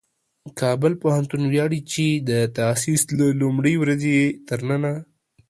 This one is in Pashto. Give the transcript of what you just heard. کابل پوهنتون ویاړي چې د تاسیس له لومړۍ ورځې یې تر ننه